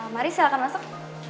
mari silahkan masuk